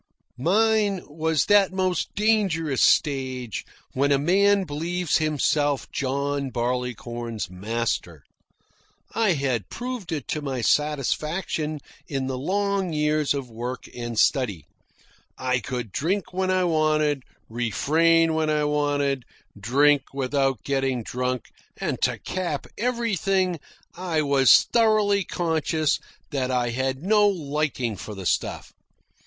Mine was that most dangerous stage when a man believes himself John Barleycorn's master. I had proved it to my satisfaction in the long years of work and study. I could drink when I wanted, refrain when I wanted, drink without getting drunk, and to cap everything I was thoroughly conscious that I had no liking for the stuff.